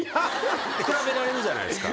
比べられるじゃないですか。